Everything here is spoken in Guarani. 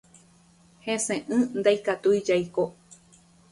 Heseʼỹ ndikatúi jaiko.